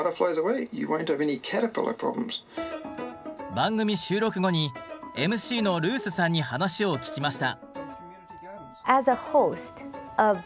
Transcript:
番組収録後にＭＣのルースさんに話を聞きました。